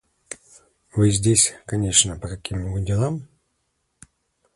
– Вы здесь, конечно, по каким-нибудь делам?